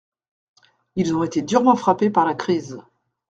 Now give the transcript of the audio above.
Ils ont été durement frappés par la crise.